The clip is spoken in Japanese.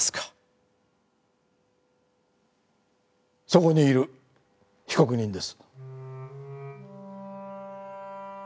そこにいる被告人です。